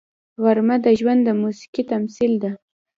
غرمه د ژوند د موسیقۍ تمثیل ده